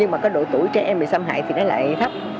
nhưng mà cái độ tuổi trẻ em bị xâm hại thì nó lại thấp